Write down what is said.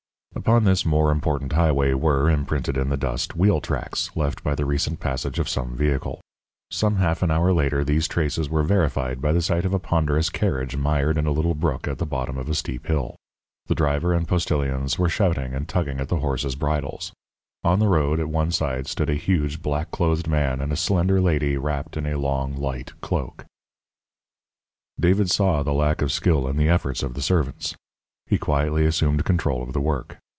_ Upon this more important highway were, imprinted in the dust, wheel tracks left by the recent passage of some vehicle. Some half an hour later these traces were verified by the sight of a ponderous carriage mired in a little brook at the bottom of a steep hill. The driver and postilions were shouting and tugging at the horses' bridles. On the road at one side stood a huge, black clothed man and a slender lady wrapped in a long, light cloak. David saw the lack of skill in the efforts of the servants. He quietly assumed control of the work.